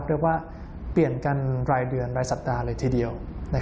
เรียกว่าเปลี่ยนกันรายเดือนรายสัปดาห์เลยทีเดียว